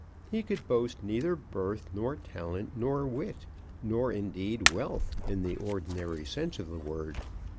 He could boast neither birth, nor talent, nor wit, nor, indeed, wealth in the ordinary sense of the word.